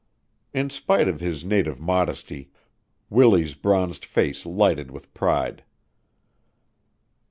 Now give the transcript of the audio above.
In spite of his native modesty Willie's bronzed face lighted with pride.